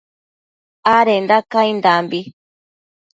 adenda caindambi